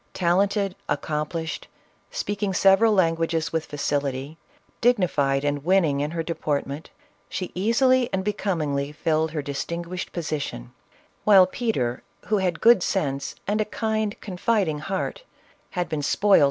Talented, accomplished, speaking several languages with facility, dignified and winning in her deportment, she easily and becomingly filled her distinguished position, while Peter, who had good sense and a kind confiding heart, had been spoiled CATHERINE OF RUSSIA.